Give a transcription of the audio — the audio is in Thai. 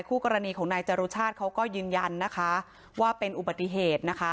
คู่กรณีของนายจรุชาติเขาก็ยืนยันนะคะว่าเป็นอุบัติเหตุนะคะ